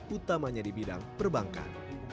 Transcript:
utamanya di bidang perbankan